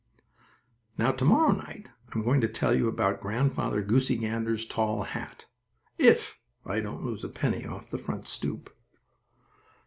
Now to morrow night I'm going to tell you about Grandfather Goosey Gander's tall hat, if I don't lose a penny off the front stoop.